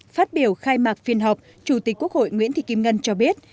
phát biểu khai mạc phiên họp chủ tịch quốc hội nguyễn thị kim ngân cho biết